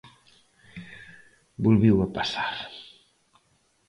Volveu a pasar.